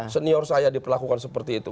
senior saya diperlakukan seperti itu